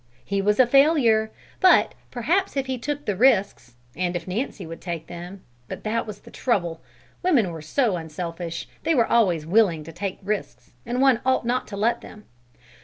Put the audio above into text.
He was a failure, but perhaps if he took the risks (and if Nancy would take them but that was the trouble, women were so unselfish, they were always willing to take risks, and one ought not to let them!)